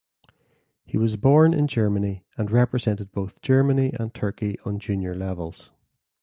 He was born in Germany and represented both Germany and Turkey on junior levels.